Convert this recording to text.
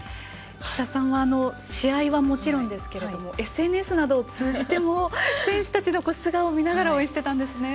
岸田さんは試合はもちろんですけどＳＮＳなどを通じても選手たちの素顔を見ながら応援してたんですね。